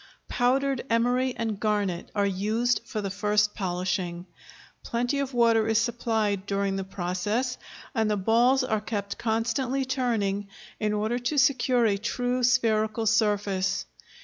Powdered emery and garnet are used for the first polishing. Plenty of water is supplied during the process, and the balls are kept constantly turning, in order to secure a true spherical surface.